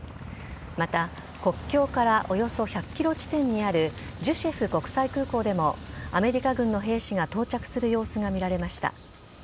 また、国境からおよそ１００キロ地点にあるジュシェフ国際空港でもアメリカ軍の兵士が到着する様子が見られました。